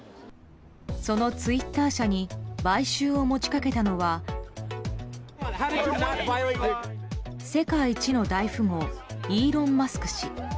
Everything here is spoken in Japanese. そのツイッター社に買収を持ち掛けたのは世界一の大富豪イーロン・マスク氏。